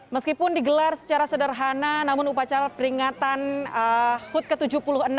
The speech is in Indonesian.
meskipun digelar secara sederhana namun upacara peringatan hud ke tujuh puluh enam